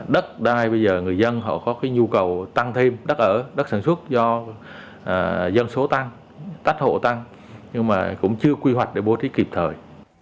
đất đai bây giờ người dân họ có cái nhu cầu tăng thêm đất ở đất sản xuất do dân số tăng tách hộ tăng nhưng mà cũng chưa quy hoạch để bố trí kịp thời